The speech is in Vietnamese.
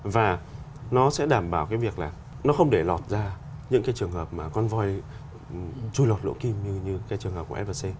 và nó sẽ đảm bảo cái việc là nó không để lọt ra những cái trường hợp mà con voi chui lọt lỗ kim như cái trường hợp của flc